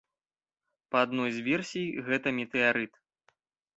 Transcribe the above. Па адной з версій, гэта метэарыт.